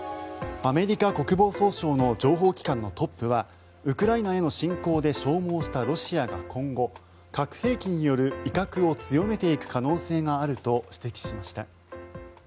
アメリカ国防総省の情報機関のトップはウクライナへの侵攻で消耗したロシアが今後核兵器による威嚇を強めていく可能性があると指摘しました。